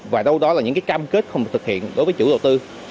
và đâu đó là những cái cam kết không được thực hiện đối với chủ tịch